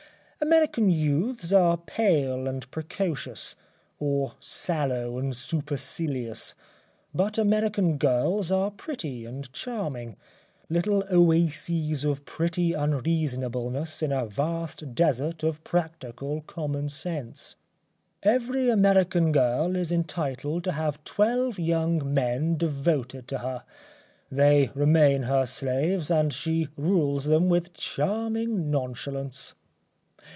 ŌĆØ American youths are pale and precocious, or sallow and supercilious, but American girls are pretty and charming little oases of pretty unreasonableness in a vast desert of practical common sense. Every American girl is entitled to have twelve young men devoted to her. They remain her slaves and she rules them with charming nonchalance.